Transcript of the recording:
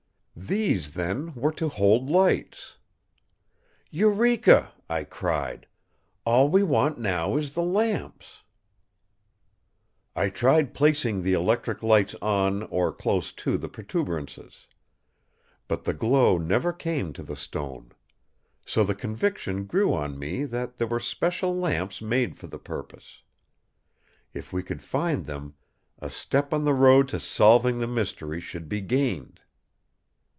These, then, were to hold lights. "'Eureka!' I cried. 'All we want now is the lamps.'" I tried placing the electric lights on, or close to, the protuberances. But the glow never came to the stone. So the conviction grew on me that there were special lamps made for the purpose. If we could find them, a step on the road to solving the mystery should be gained.